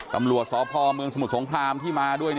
ตำรวจสพเมืองสมุทรสงครามที่มาด้วย